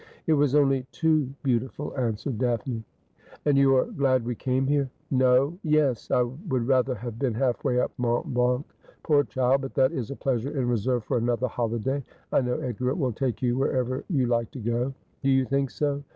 ' It was only too beautiful,' answered Daphne. ' And you are glad we came here.' ' No. Yes. I would rather have been half way up Mont Blanc' ' Poor child ! But that is a pleasure in reserve for another holiday. I know Edgar will take you wherever you like to go.' 'Do you think so?